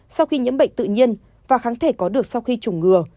sau khi nhiễm bệnh tự nhiên và kháng thể có được sau khi chủng ngừa